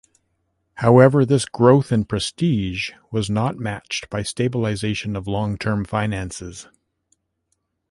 However, this growth in prestige was not matched by stabilization of long-term finances.